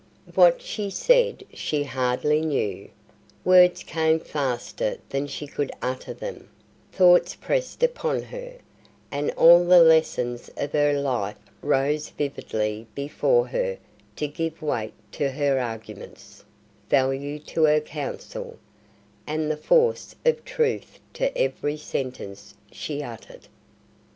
What she said she hardly knew: words came faster than she could utter them, thoughts pressed upon her, and all the lessons of her life rose vividly before her to give weight to her arguments, value to her counsel, and the force of truth to every sentence she uttered.